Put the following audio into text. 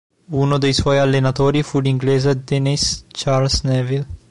Uno dei suoi allenatori fu l'inglese Denis Charles Neville.